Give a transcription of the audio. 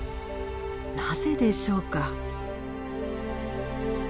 なぜでしょうか。